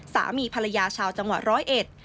สามีภรรยาชาวจังหวัดร้อยเอ็ด